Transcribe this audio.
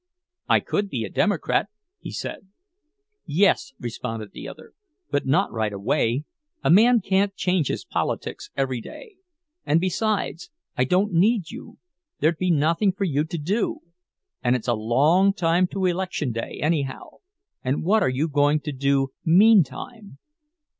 "I could be a Democrat," he said. "Yes," responded the other, "but not right away; a man can't change his politics every day. And besides, I don't need you—there'd be nothing for you to do. And it's a long time to election day, anyhow; and what are you going to do meantime?"